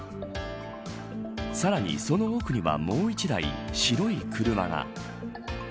さらにその奥にはもう１台白い車が。